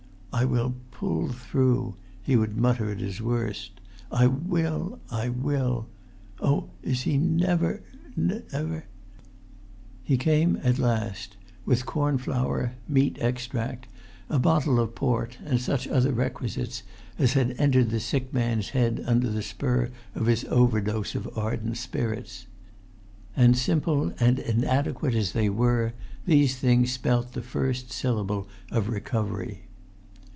"I will pull through," he would mutter at his worst. "I will—I will ... Oh, is he never, never ..." He came at last—with corn flour, meat extract, a bottle of port, and such other requisites as had entered the sick man's head under the spur of his overdose of ardent spirits. And, simple and inadequate as they were, these things spelt the first syllable of recovery.